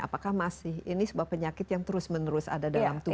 apakah masih ini sebuah penyakit yang terus menerus ada dalam tubuh